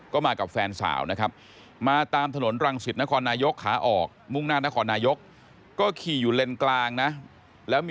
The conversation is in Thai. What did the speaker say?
ก็มากับแฟนสาวนะครับ